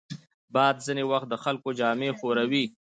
باد ځینې وخت د خلکو جامې ښوروي